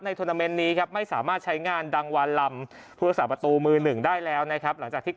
ในทศลมันต์นี้นะครับไม่สามารถใช้งานดังวาลลำ